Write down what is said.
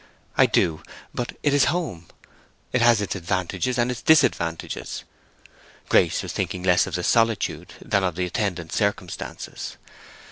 "I do. But it is home. It has its advantages and its disadvantages." Grace was thinking less of the solitude than of the attendant circumstances.